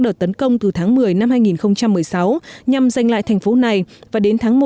đợt tấn công từ tháng một mươi năm hai nghìn một mươi sáu nhằm giành lại thành phố này và đến tháng một